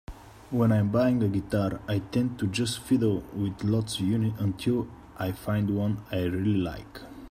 When I'm buying a guitar I tend to just fiddle with lots until I find one I really like.